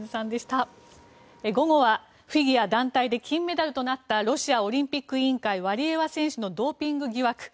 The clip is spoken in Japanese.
午後はフィギュア団体で金メダルとなったロシアオリンピック委員会ワリエワ選手のドーピング疑惑。